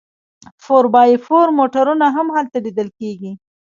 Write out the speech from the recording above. فور بای فور موټرونه هم هلته لیدل کیږي